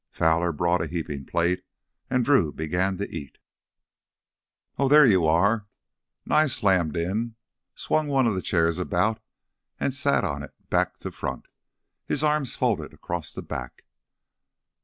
Fowler brought a heaping plate and Drew began to eat. "Oh, there you are!" Nye slammed in, swung one of the chairs about, and sat on it back to front, his arms folded across the back.